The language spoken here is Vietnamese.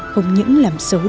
không những làm xấu đời